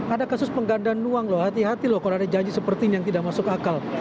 ada kasus penggandaan uang loh hati hati loh kalau ada janji seperti ini yang tidak masuk akal